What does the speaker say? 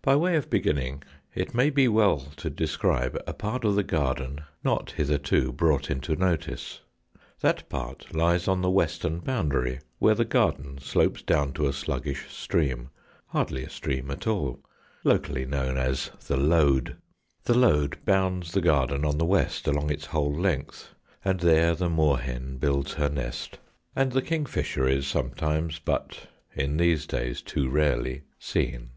By way of beginning, it may be well to describe a part of the garden not hitherto brought into notice. That part lies on the western boundary, where the garden slopes down to a sluggish stream, hardly a stream at all, locally known as the Lode. The Lode bounds the garden on the west along its whole length, and there the moor hen builds her nest, and 103 GHOST TALES. the kingfisher is sometimes, but in these days ' too rarely, seen.